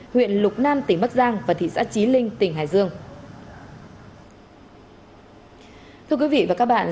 huyện lục nam tỉnh bắc giang và thị xã trí linh tỉnh hải dương